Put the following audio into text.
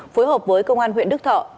phối hợp với công an huyện đức thọ